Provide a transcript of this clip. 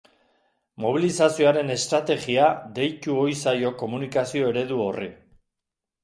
Mobilizazioaren estrategia deitu ohi zaio komunikazio-eredu horri.